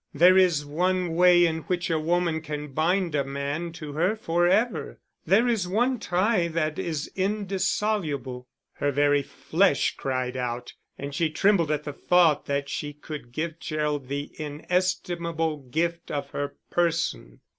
There is one way in which a woman can bind a man to her for ever, there is one tie that is indissoluble; her very flesh cried out, and she trembled at the thought that she could give Gerald the inestimable gift of her person.